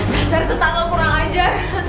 dasar tetap kurang aja